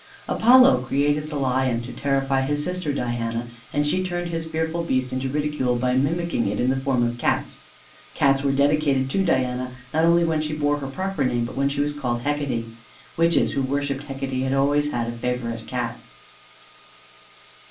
Apollo created the lion to terrify his sister Diana, and she turned his fearful beast into ridicule by mimicking it in the form of a Cat. Cats were dedicated to Diana, not only when she bore her proper name, but when she was called "Hecate." Witches who worshipped Hecate had always a favourite Cat.